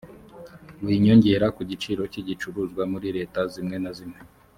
winyongera ku giciro cy igicuruzwa muri leta zimwe na zimwe